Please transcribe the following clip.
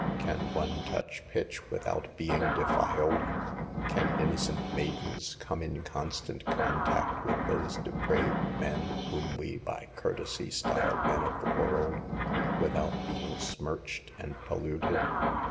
Can one touch pitch without being de filed ? Can innocent maidens come in constant contact with those depraved men whom we by courtesy style "men of the world," without being smirched and polluted